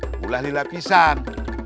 mulai di lapisan